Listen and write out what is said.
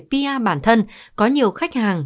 pa bản thân có nhiều khách hàng